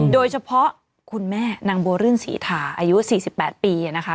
โดยเฉพาะคุณแม่นางบัวรื่นศรีฐาอายุ๔๘ปีนะคะ